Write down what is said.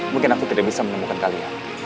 mungkin aku tidak bisa menemukan kalian